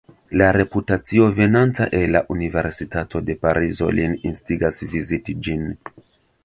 La reputacio venanta el la Universitato de Parizo lin instigas viziti ĝin.